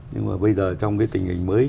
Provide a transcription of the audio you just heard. nhưng mà bây giờ trong cái tình hình mới